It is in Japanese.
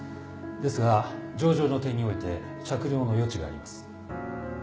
ですが情状の点において酌量の余地があります。